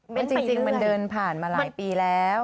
จริงมันเดินผ่านมาหลายปีแล้ว